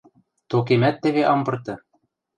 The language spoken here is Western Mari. Токемӓт теве ам пырты.